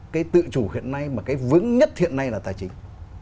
cái tự chủ hiện nay mà cái vững nhất hiện nay là tài chính